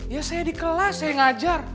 ya saya di kelas saya ngajar